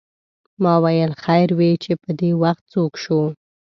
ما ویل خیر وې چې پدې وخت څوک شو.